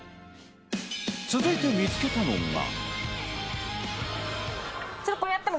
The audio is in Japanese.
続いて見つけたのが。